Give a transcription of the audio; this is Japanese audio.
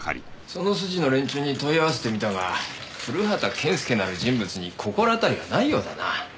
その筋の連中に問い合わせてみたが古畑健介なる人物に心当たりはないようだな。